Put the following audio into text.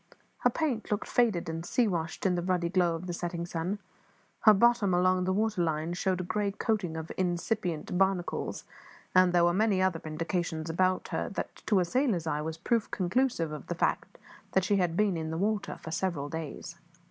Her paint looked faded and sea washed in the ruddy glow of the setting sun; her bottom, along the water line, showed a grey coating of incipient barnacles, and there were many other indications about her that to a sailor's eye was proof conclusive of the fact that she had been in the water for several days.